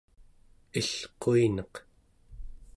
ilquineq